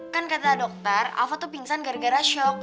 kan kata dokter aku tuh pingsan gara gara shock